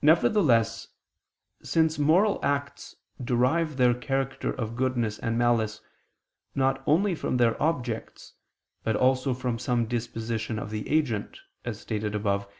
Nevertheless, since moral acts derive their character of goodness and malice, not only from their objects, but also from some disposition of the agent, as stated above (Q.